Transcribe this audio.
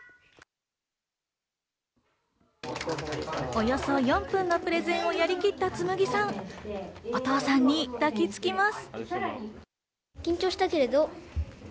およそ４分のプレゼンをやりきった紬記さん、お父さんに抱きつきます。